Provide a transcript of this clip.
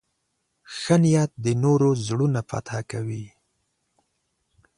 ښه نیت د نورو زړونه فتح کوي.